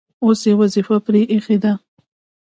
اوس یې وظیفه پرې ایښې ده.